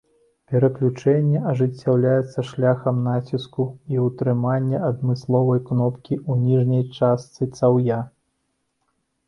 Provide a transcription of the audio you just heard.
Пераключэнне ажыццяўляецца шляхам націску і ўтрымання адмысловай кнопкі ў ніжняй частцы цаўя.